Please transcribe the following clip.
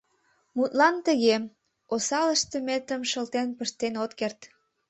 Мутлан, тыге: «Осал ыштыметым шылтен пыштен от керт».